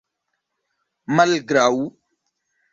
malgraŭ